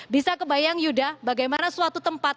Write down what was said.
bisa kebayang yuda bagaimana suatu tempat